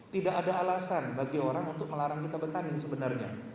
tidak ada alasan bagi orang untuk melarang kita bertanding sebenarnya